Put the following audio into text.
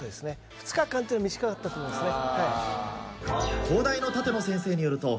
２日間っていうのは短かったと思いますね。